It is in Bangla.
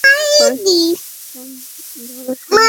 ধরো, সামনে থেকে সরো।